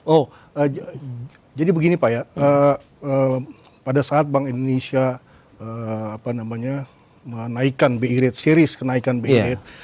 oh jadi begini pak ya pada saat bank indonesia menaikkan bi rate series kenaikan bi rate